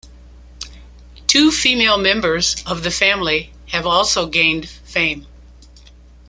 Two female members of the family have also gained fame.